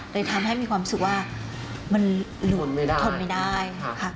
เลยทำให้มีความรู้สึกว่ามันหลุดทนไม่ได้